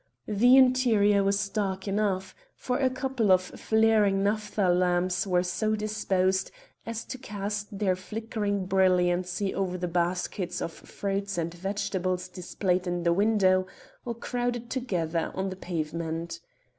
The interior was dark enough, for a couple of flaring naphtha lamps were so disposed as to cast their flickering brilliancy over the baskets of fruits and vegetables displayed in the window or crowded together on the pavement.